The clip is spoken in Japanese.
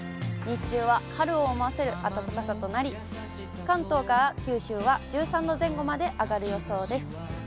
日中は春を思わせる暖かさとなり、関東から九州は１３度前後まで上がる予想です。